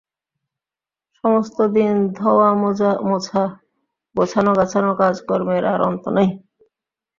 সমস্ত দিন ধোওয়ামোজা, গোছানো-গাছানো–কাজকর্মের আর অন্ত নাই।